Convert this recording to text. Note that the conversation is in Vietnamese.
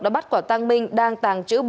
đã bắt quả tàng minh đang tàng trữ